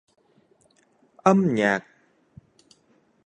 Âm nhạc